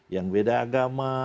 yang beda agama